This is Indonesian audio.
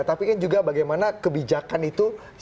tapi kan juga bagaimana kebijakan itu